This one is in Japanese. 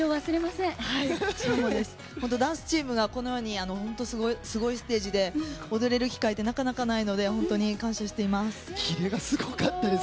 ダンスチームがこのようにすごいステージで踊れる機会はなかなかないのでキレがすごかったです。